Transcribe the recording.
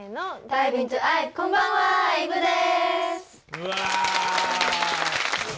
うわ！